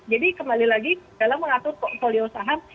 jadi kembali lagi dalam mengatur portfolio saham